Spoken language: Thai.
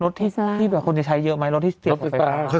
รถที่แบบคนที่ใช้เยอะไหมรถที่เสียบไฟฟ้า